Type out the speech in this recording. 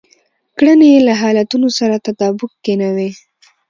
کړنې يې له حالتونو سره تطابق کې نه وي.